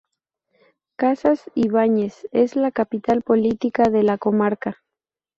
Casas-Ibáñez es la capital política de la comarca.